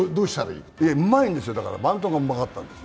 うまいんですよ、バントがうまかったんです。